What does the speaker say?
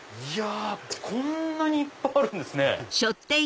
こんなにいっぱいあるんですね！